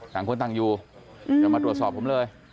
ต่างคนต่างอยู่ยังมาตรวจสอบผมเลย